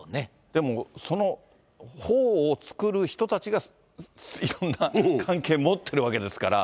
でもその法を作る人たちがいろんな関係を持ってるわけですから。